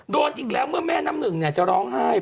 โดนอีกแล้วเมื่อแม่น้ำหนึ่งจะร้องไห้